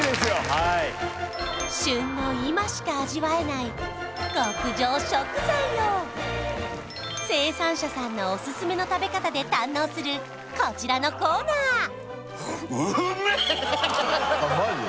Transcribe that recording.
はい旬の今しか味わえない極上食材を生産者さんのオススメの食べ方で堪能するこちらのコーナーマジで？